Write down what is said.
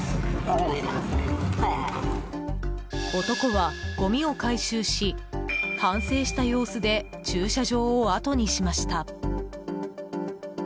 男はごみを回収し反省した様子で駐車場をあとにしました。